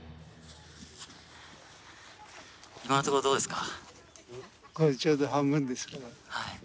今のところどうですか？